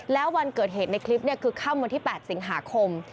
แล้ววันเกิดเหตุในคลิปคือค่ำวันที่๘สิงหาคม